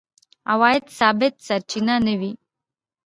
عوایده ثابت سرچینه نه دي.